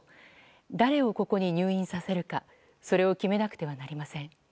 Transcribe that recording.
誰をここに入院させるかそれを決めなくてはなりません。